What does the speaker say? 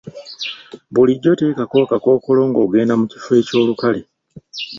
Bulijjo teekako akakkookolo ng'ogenda mu kifo ekyolukale.